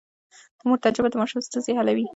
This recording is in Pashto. د مور تجربه د ماشوم ستونزې حلوي.